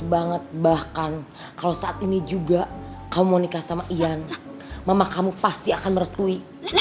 banget bahkan kalau saat ini juga kamu mau nikah sama ian mama kamu pasti akan merestui